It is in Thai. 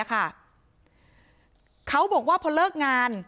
เขาบอกว่าพอเลิกงาน